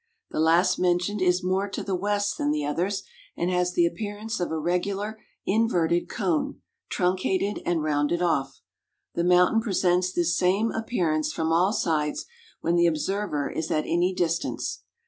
The last mentioned is more to the west than the others, and has the appearance of a regular, inverted cone, truncated and rounded off. The mountain presents this same appearance from all sides when the observer is at any dis tance.